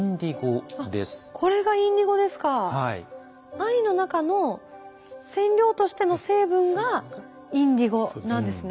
藍の中の染料としての成分がインディゴなんですね。